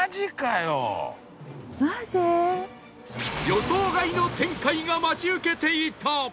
予想外の展開が待ち受けていた！